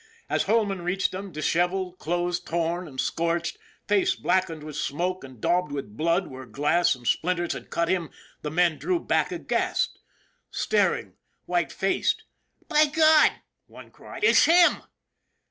As Holman reached them, disheveled, clothes torn and scorched, face blackened with smoke and daubed with blood where glass and splinters had cut him, the men drew back aghast, staring white faced. " By God !" one cried. " It's him!